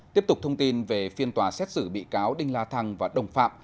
tiếp tục thông tin về phiên tòa xét xử bị cáo đinh la thăng và đồng phạm